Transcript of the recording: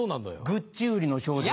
「グッチ売りの少女」